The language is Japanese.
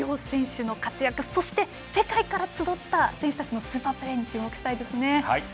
両選手の活躍そして世界から集った選手たちのスーパープレーに注目したいですね。